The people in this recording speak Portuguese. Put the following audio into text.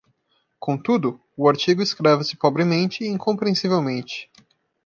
Contudo? o artigo escreve-se pobremente e incompreensivelmente.